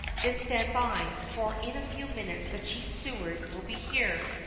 "Then stand by, for in a few minutes the chief steward will be here.